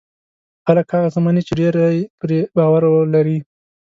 خلک هغه څه مني چې ډېری پرې باور لري.